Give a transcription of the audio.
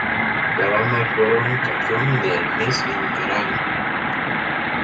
La banda fueron canción del mes en Kerrang!